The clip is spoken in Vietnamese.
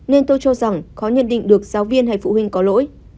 nên tôi cho rằng khó nhận định được giáo viên hay phụ huynh có lỗi